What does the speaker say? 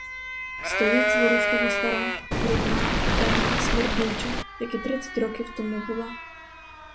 Стоїть зворушливо стара, брудна, темна, смердюча, як і тридцять років тому була.